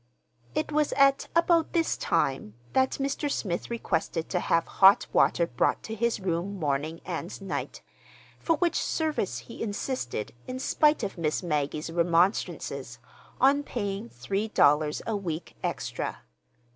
It was at about this time that Mr. Smith requested to have hot water brought to his room morning and night, for which service he insisted, in spite of Miss Maggie's remonstrances, on paying three dollars a week extra.